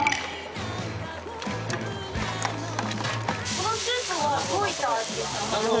このスープはどういった味ですか？